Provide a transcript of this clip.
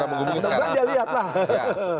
ya ya nanti dia lihat lah